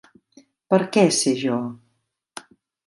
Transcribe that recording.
Per què ser jo?!